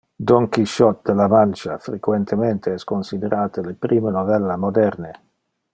Don Quixote de la Mancha frequentemente es considerate le prime novella moderne.